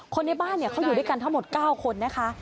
ในบ้านเขาอยู่ด้วยกันทั้งหมด๙คนนะคะ